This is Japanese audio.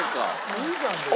いいじゃん別に。